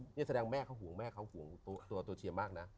นี่แสดงแม่เขาห่วงแม่เขาห่วงตัวเชียร์มากนะ